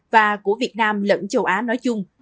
và của việt nam lẫn châu á nói chung